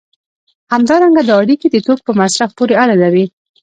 همدارنګه دا اړیکې د توکو په مصرف پورې اړه لري.